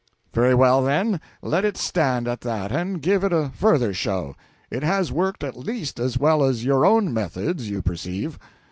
"Very well, then, let it stand at that, and give it a further show. It has worked at least as well as your own methods, you perceive."